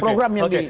program yang di